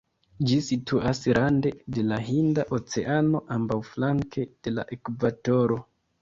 Ĝi situas rande de la Hinda Oceano ambaŭflanke de la ekvatoro.